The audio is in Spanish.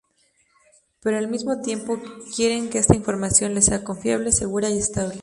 Pero al mismo tiempo quieren que esta información les sea confiable, segura y estable.